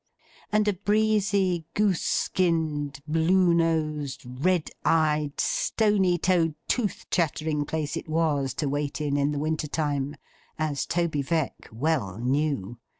And a breezy, goose skinned, blue nosed, red eyed, stony toed, tooth chattering place it was, to wait in, in the winter time, as Toby Veck well knew.